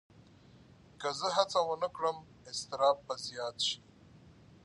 که زه هڅه ونه کړم، اضطراب به زیات شي.